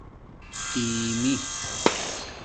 دِیمی